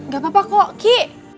gak apa apa kok ki